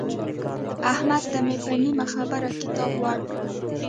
احمد ته مې په نیمه خبره کتاب ورکړ.